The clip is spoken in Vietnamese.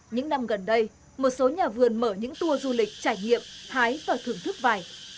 những năm gần đây một số nhà vườn mở những tour du lịch trải nghiệm hái và thưởng thức vải